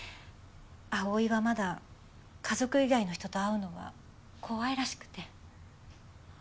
葵はまだ家族以外の人と会うのは怖いらしくて。